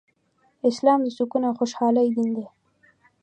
اسلام د سکون او خوشحالۍ دين دی